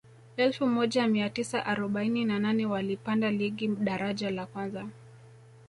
elfu moja mia tisa arobaini na nane walipanda ligi daraja la kwanza